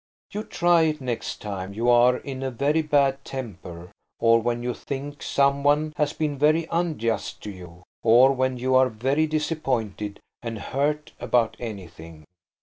You try it next time you are in a very bad temper or when you think some one has been very unjust to you, or when you are very disappointed and hurt about anything.